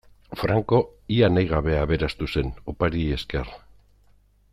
Franco ia nahi gabe aberastu zen, opariei esker.